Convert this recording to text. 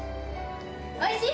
おいしい？